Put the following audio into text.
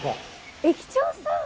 駅長さん。